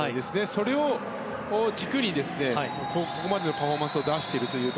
それを軸にここまでのパフォーマンスを出していますね。